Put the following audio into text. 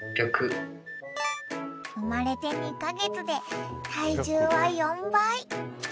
［生まれて２カ月で体重は４倍］